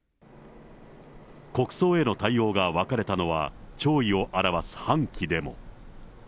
国葬への対応が分かれたのは弔意を表す半旗でも。